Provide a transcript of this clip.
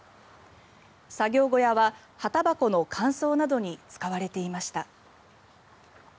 作業小屋は葉タバコの乾燥などに使われていました。